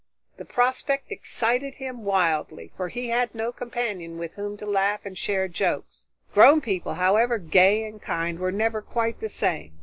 The prospect excited him wildly, for he had no companion with whom to laugh and share jokes. Grown people, however gay and kind, were never quite the same.